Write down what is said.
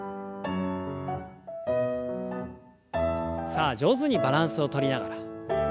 さあ上手にバランスをとりながら。